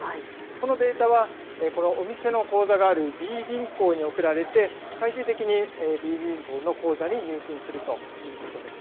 そのデータは、このお店の口座があるＢ銀行に送られて、最終的にＢ銀行の口座に入金するということです。